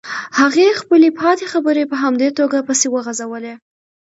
هغې خپلې پاتې خبرې په همدې توګه پسې وغزولې.